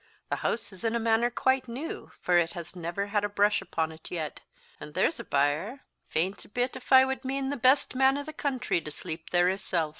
The hoose is in a manner quite new, for it has never had a brush upon it yet. And there's a byre fient a bit, if I would mean the best man i' the country to sleep there himsel.'"